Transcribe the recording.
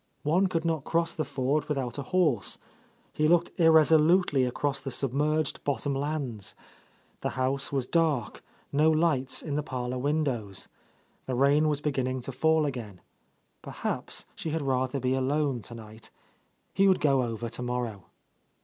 One could not cross the ford without a horse. He looked irresolutely across the sub merged bottom lands. The house was dark, no lights in the parlour windows. The rain was beginning to fall again. Perhaps she had rather be alone tonight. He would go over to morrow.